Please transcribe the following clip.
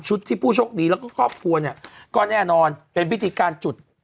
ที่ผู้โชคดีแล้วก็ครอบครัวเนี่ยก็แน่นอนเป็นพิธีการจุด